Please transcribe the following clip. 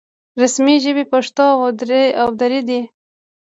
رسمي ژبې پښتو او دري دي